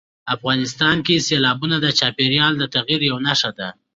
افغانستان کې سیلابونه د چاپېریال د تغیر یوه نښه ده.